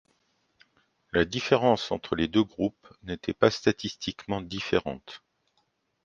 La différence entre les deux groupes n’était pas statistiquement différente.